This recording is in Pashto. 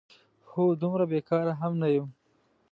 هو، دومره بېکاره هم نه یم؟!